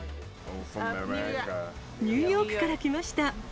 ニューヨークから来ました。